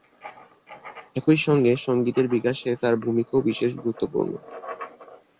একই সংগে সংগীতের বিকাশে তার ভূমিকাও বিশেষ গুরুত্বপূর্ণ।